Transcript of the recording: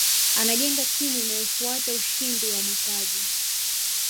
anajenga timu inayotafuta ushinda wa mataji